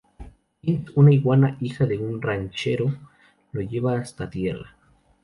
Beans, una iguana hija de un ranchero, lo lleva hasta "Tierra".